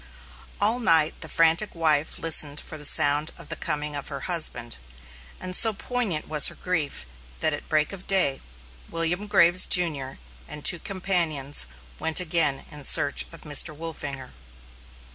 All night the frantic wife listened for the sound of the coming of her husband, and so poignant was her grief that at break of day, William Graves, Jr., and two companions went again in search of Mr. Wolfinger.